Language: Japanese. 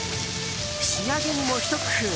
仕上げにもひと工夫